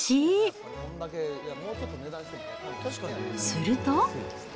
すると。